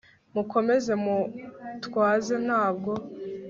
mu komeze mutwaze ntabwo